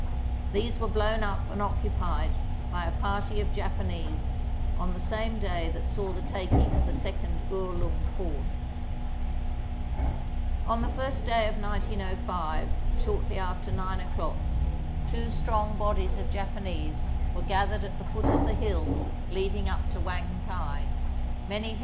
These were blown up and occupied by a party of Japanese on the same day that saw the taking of the second Uhrlung fort. On the first day of 1905, shortly after nine o'clock, two strong bodies of Japanese were gathered at the [301 ] THE BOOK OF FAMOUS SIEGES foot of the hill leading up to Wangtai.